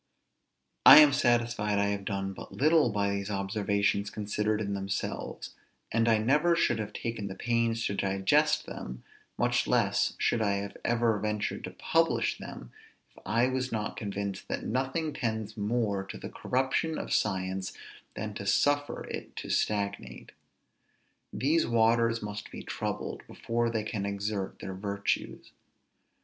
I am satisfied I have done but little by these observations considered in themselves; and I never should have taken the pains to digest them, much less should I have ever ventured to publish them, if I was not convinced that nothing tends more to the corruption of science than to suffer it to stagnate. These waters must be troubled, before they can exert their virtues.